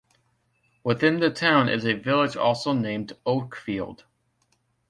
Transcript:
Within the town is a village also named Oakfield.